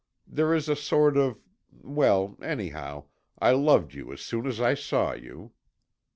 There is a sort of Well, anyhow I loved you as soon as I saw you."